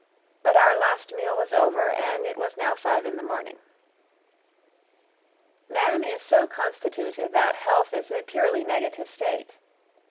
But our last meal was over, and it was now five in the morning. Man is so constituted that health is a purely negative state.